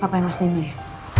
pak pai mas nino ya